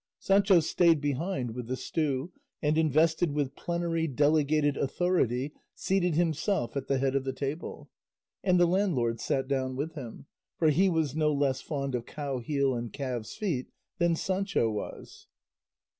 Sancho stayed behind with the stew. and invested with plenary delegated authority seated himself at the head of the table, and the landlord sat down with him, for he was no less fond of cow heel and calves' feet than Sancho was.